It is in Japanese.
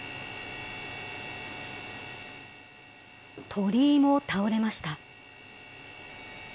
鳥居も倒れました。